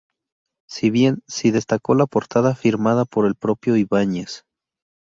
Si bien, sí destacó la portada, firmada por el propio Ibáñez.